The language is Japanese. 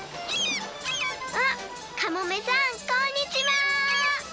あっかもめさんこんにちは！